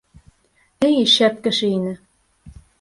Эй, шәп кеше ине.